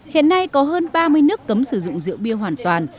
hiện nay có hơn ba mươi nước cấm sử dụng rượu bia hoàn toàn